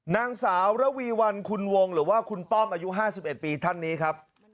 นางสาวระวีวันคุณวงหรือว่าคุณป้อมอายุ๕๑ปีท่านนี้ครับ